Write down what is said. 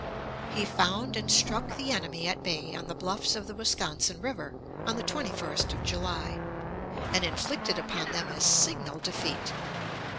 He found and struck the enemy at bay on the bluffs of the Wisconsin River on the 21st of July, and inflicted upon them a signal defeat.